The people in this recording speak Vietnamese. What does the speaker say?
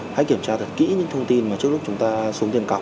hãy kiểm tra thật kỹ những thông tin mà trước lúc chúng ta xuống tiền cọc